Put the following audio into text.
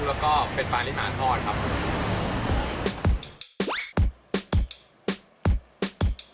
แล้วก็เป็นปลาริมาทอดครับ